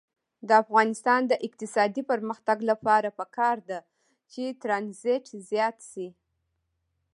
د افغانستان د اقتصادي پرمختګ لپاره پکار ده چې ترانزیت زیات شي.